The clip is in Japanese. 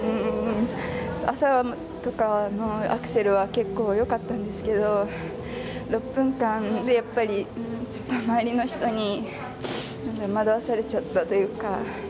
朝とかのアクセルは結構よかったんですけど６分間で、やっぱり周りの人に惑わされちゃったというか。